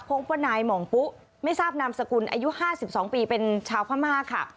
พบว่านายหม่องปุ๊ไม่ทราบนามสกุลอายุ๕๒ปีเป็นชาวพม่าค่ะ